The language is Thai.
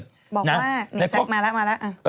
บอกว่าแจ๊คมาแล้ว